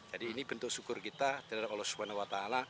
jadi ini bentuk syukur kita dari allah swt